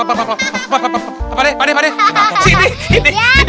pak d pak d pak d